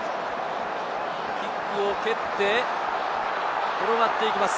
キックを蹴って、転がっていきます。